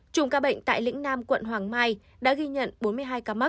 chùm ca bệnh tại lĩnh nam quận hoàng mai đã ghi nhận bốn mươi hai ca mắc